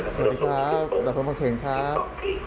สวัสดีครับดับเพลิงบางเขนครับ